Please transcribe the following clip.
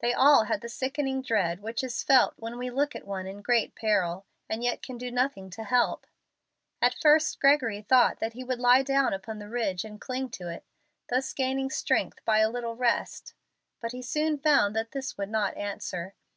They all had the sickening dread which is felt when we look at one in great peril, and yet can do nothing to help. At first Gregory thought that he would lie down upon the ridge and cling to it, thus gaining strength by a little rest. But he soon found that this would not answer.